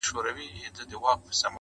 • یوه ورځ یې یوه زرکه وه نیولې -